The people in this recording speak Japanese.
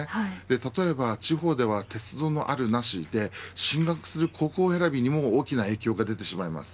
例えば地方で鉄道のあるなしで進学する高校選びにも大きな影響が出てしまいます。